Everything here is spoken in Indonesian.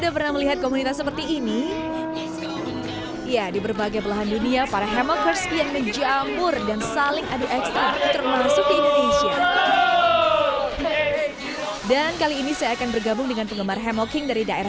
berita terkini mengenai perjalanan bergelantungan